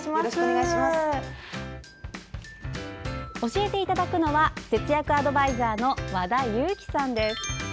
教えていただくのは節約アドバイザーの和田由貴さんです。